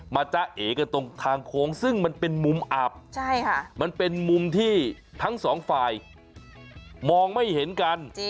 จ้าเอกันตรงทางโค้งซึ่งมันเป็นมุมอับมันเป็นมุมที่ทั้งสองฝ่ายมองไม่เห็นกัน